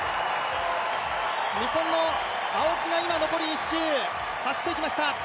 日本の青木が今、残り１周走って行きました。